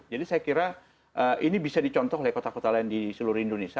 jadi saya kira ini bisa dicontoh oleh kota kota lain di seluruh indonesia